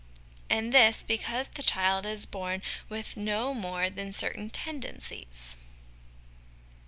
And this, because the child is born with no more than certain tendencies.